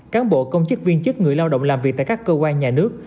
cán bộ công chức viên chức người lao động làm việc tại các cơ quan nhà nước